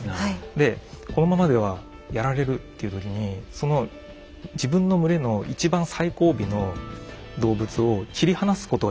でこのままではやられるっていう時にその自分の群れの一番最後尾の動物を切り離すことができるんです。